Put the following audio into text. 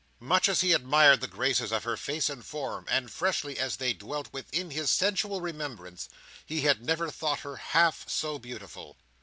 Much as he admired the graces of her face and form, and freshly as they dwelt within his sensual remembrance, he had never thought her half so beautiful.